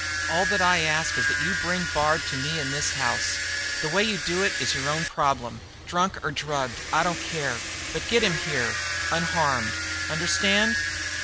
All that I ask is that you bring Bard to me in this house. The way you do it is your own problem. Drunk or drugged, I don't care how, but get him here unharmed. Understand?"